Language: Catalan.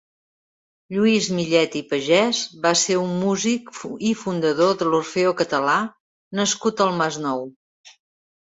Lluís Millet i Pagès va ser un músic i fundador de l'Orfeó Català nascut al Masnou.